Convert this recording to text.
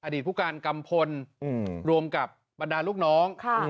ผู้การกำพลรวมกับบรรดาลูกน้อง